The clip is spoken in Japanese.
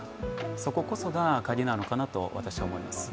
そここそがカギなのかなと、私は思います。